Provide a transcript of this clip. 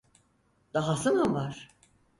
Dahası mı var?